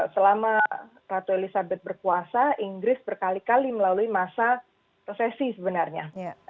selama ratu elizabeth berkuasa inggris berkali kali melalui masa resesi sebenarnya